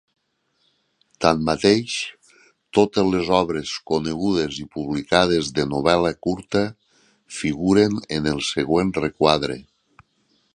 Tanmateix, totes les obres conegudes i publicades de novel·la curta figuren en el següent requadre.